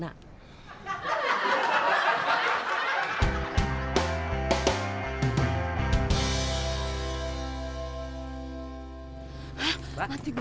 tidak ada yang bisa dikunci